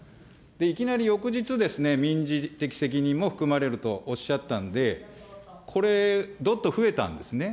いきなり翌日ですね、民事的責任も含まれるとおっしゃったんで、これ、どっと増えたんですね。